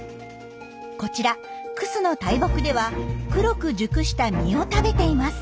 こちらクスの大木では黒く熟した実を食べています。